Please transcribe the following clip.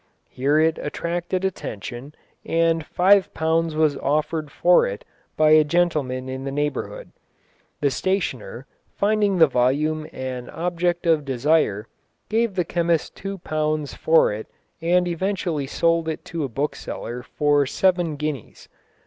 Here it attracted attention, and five pounds was offered for it by a gentleman in the neighbourhood. The stationer, finding the volume an object of desire, gave the chemist two pounds for it and eventually sold it to a bookseller for seven guineas.